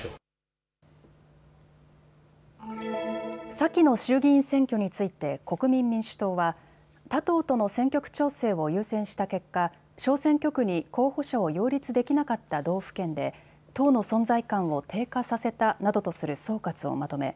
先の衆議院選挙について国民民主党は他党との選挙区調整を優先した結果、小選挙区に候補者を擁立できなかった道府県で党の存在感を低下させたなどとする総括をまとめ